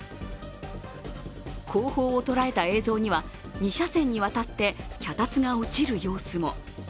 後方を捉えた映像には２車線にわたって脚立が落ちる様子も。